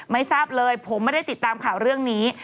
ไม่ทราบเลยผมไม่ได้ติดตามข่าวเรื่องนี้